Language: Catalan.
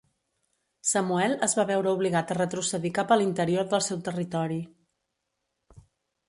Samuel es va veure obligat a retrocedir cap a l'interior del seu territori.